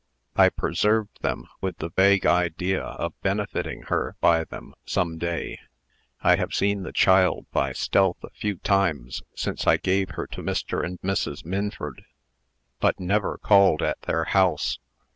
I preserved them, with the vague idea of benefiting her by them, some day. I have seen the child by stealth a few times since I gave her to Mr. and Mrs. Minford, but never called at their house.